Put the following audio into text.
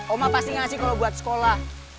oma pasti ngasih kalau buat sekolah